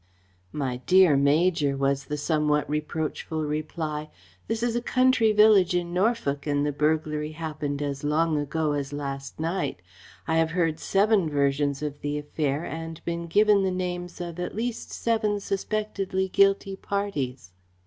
"My dear Major!" was the reproachful reply. "This is a country village in Norfolk and the burglary happened as long ago as last night. I have heard seven versions of the affair and been given the names of at least seven suspectedly guilty parties."